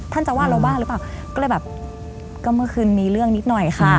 จะว่าเราบ้างหรือเปล่าก็เลยแบบก็เมื่อคืนมีเรื่องนิดหน่อยค่ะ